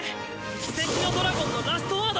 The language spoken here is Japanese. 輝石のドラゴンのラストワード。